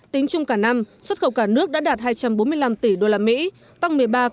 tính chung cả năm xuất khẩu cả nước đã đạt hai trăm bốn mươi năm tỷ usd tăng một mươi ba